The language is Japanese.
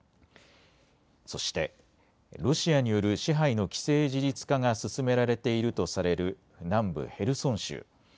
そしてロシアによる支配の既成事実化が進められているとされる南部ヘルソン州。